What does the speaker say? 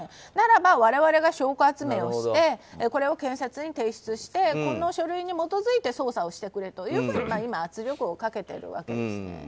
ならば、我々が証拠集めをしてこれを検察に提出してこの書類に基づいて捜査をしてくれと今圧力をかけているわけです。